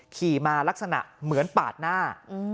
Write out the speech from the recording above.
ขี่มาลักษณะเหมือนปาดหน้า